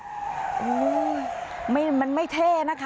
ฮืม้อมันมันไม่ท่านะคะ